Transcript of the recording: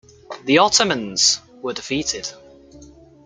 The Ottomans were defeated.